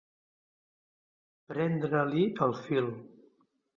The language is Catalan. Prendre-li el fil.